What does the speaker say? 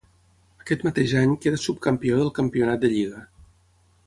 Aquest mateix any queda subcampió del campionat de lliga.